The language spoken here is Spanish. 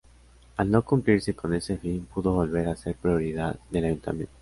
Al no cumplirse con ese fin pudo volver a ser propiedad del ayuntamiento.